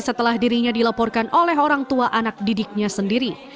setelah dirinya dilaporkan oleh orang tua anak didiknya sendiri